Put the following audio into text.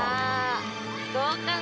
どうかな？